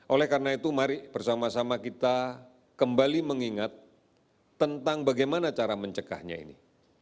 oleh karena itu mari bersama sama kita kembali mengingat tentang bagaimana cara mencegahnya ini